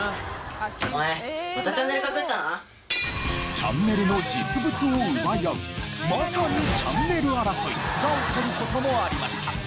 チャンネルの実物を奪い合うまさにチャンネル争いが起こる事もありました。